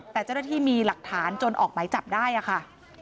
แต่เจ้าหน้าที่มีหลักฐานจนออกหมายจับได้ค่ะ